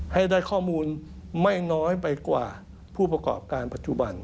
ให้ได้ข้อมูลไม่น้อยไปกว่าผู้ประกอบการปัจจุบัน